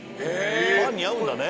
パンに合うんだね。